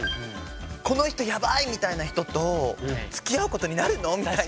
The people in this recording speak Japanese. この人ヤバい！みたいな人とつきあうことになるの？みたいな。